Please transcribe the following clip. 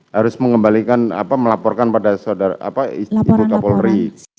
harus mengembalikan apa melaporkan pada ibu kapolri